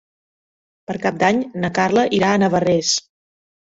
Per Cap d'Any na Carla irà a Navarrés.